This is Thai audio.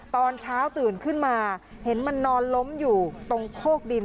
ตอนเช้าตื่นขึ้นมาเห็นมันนอนล้มอยู่ตรงโคกดิน